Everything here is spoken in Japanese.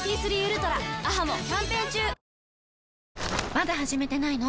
まだ始めてないの？